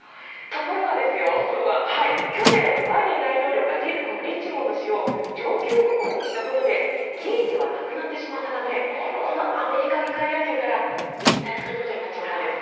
ところが、去年バイデン大統領がリッチモンド氏を上級顧問にしたことで議員ではなくなってしまったためこのアメリカ議会野球から引退することになっちゃったんです。